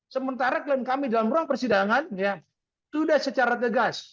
sementara klien kami dalam ruang persidangan sudah secara tegas